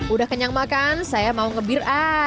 udah kenyang makan saya mau nge beer